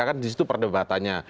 kan di situ perdebatannya